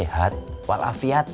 ya gak bisa bunuhnya